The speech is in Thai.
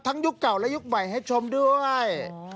ยุคเก่าและยุคใหม่ให้ชมด้วย